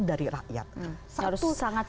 dari rakyat harus sangat